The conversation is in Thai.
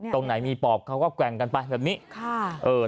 ตรงไหนมีปอบเขาก็แกว่งกันไปแบบนี้ค่ะเออ